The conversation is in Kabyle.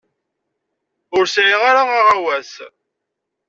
Ur sɛiɣ ara aɣawas.